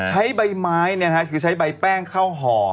ใช้ใบไม้คือใช้ใบแป้งเข้าห่อ